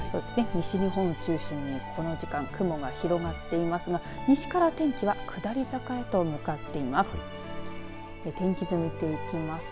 西日本を中心にこの時間、雲が広がっていますが西から天気は下り坂へと向かっています。